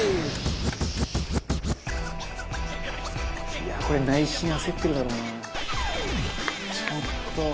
「いやあこれ内心焦ってるだろうな」